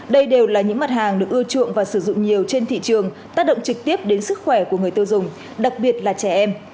đây đều là những mặt hàng được ưa chuộng và sử dụng nhiều trên thị trường tác động trực tiếp đến sức khỏe của người tiêu dùng đặc biệt là trẻ em